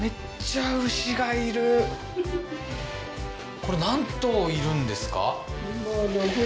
これ何頭いるんですか？